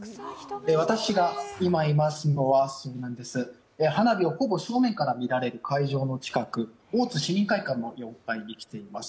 私が今いますのは花火をほぼ正面から見られる会場の近く大津市民会館の４階に来ています。